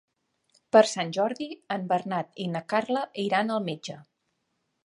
Per Sant Jordi en Bernat i na Carla iran al metge.